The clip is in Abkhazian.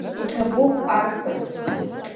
Иҭабуп, арԥыс!